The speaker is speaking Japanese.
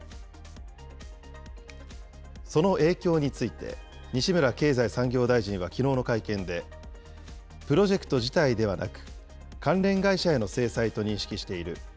その影響について、西村経済産業大臣はきのうの会見で、プロジェクト自体ではなく、関連会社への制裁と認識している。